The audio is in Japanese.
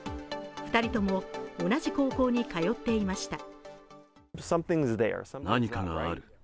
２人とも同じ高校に通っていました